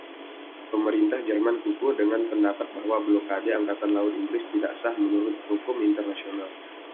Pemerintah Jerman kukuh dengan pendapat bahwa blokade angkatan laut Inggris tidak sah menurut hukum internasional.